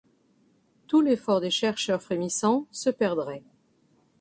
Tout l’effort des chercheurs frémissants se perdrait !